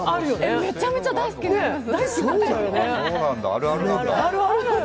めちゃめちゃ大好きになります。